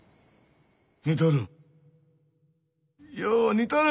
似とる。